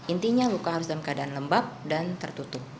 intinya luka harus dalam keadaan lembab dan tertutup